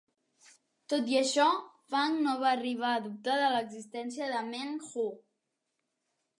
Tot i això, Fang no va arribar a dubtar de l'existència de Meng Huo.